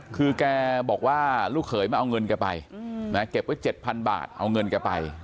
คือแกบอกว่าลูกเขยมาเอาเงินแกไปนะเก็บไว้๗๐๐บาทเอาเงินแกไป